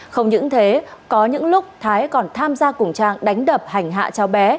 không những thế có những lúc thái còn tham gia cùng trang đánh đập hành hạ cháu bé